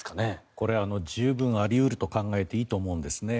これ、十分あり得ると考えていいと思うんですね。